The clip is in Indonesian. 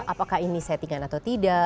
apakah ini settingan atau tidak